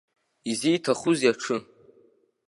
Изиҭахузеи аҽы?